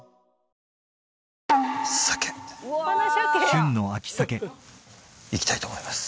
旬の秋鮭いきたいと思います